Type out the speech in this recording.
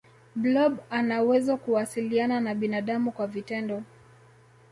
blob anawezo kuwasiliana na binadamu kwa vitendo